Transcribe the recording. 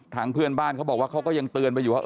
เพื่อนบ้านเขาบอกว่าเขาก็ยังเตือนไปอยู่ว่า